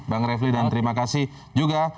bang refli dan terima kasih juga